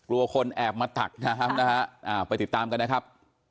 กลัวคนแอบมาตักนะครับไปติดตามกันนะครับ